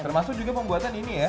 setelah itu juga pembuatan ini ya